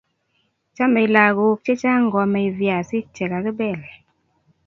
Chomei lagok chechang koamei viasik chekakibel